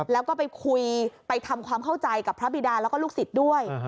แล้วก็ไปคุยไปทำความเข้าใจกับพระบิดาแล้วก็ลูกศิษย์ด้วย